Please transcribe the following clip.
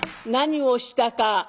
何をしたか。